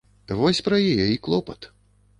Вось пра яе і клопат.